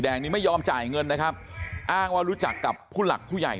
งนี้ไม่ยอมจ่ายเงินนะครับอ้างว่ารู้จักกับผู้หลักผู้ใหญ่